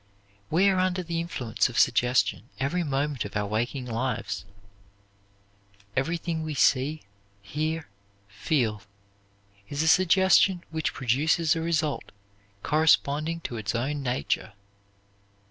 We are under the influence of suggestion every moment of our waking lives. Everything we see, hear, feel, is a suggestion which produces a result corresponding to its own nature.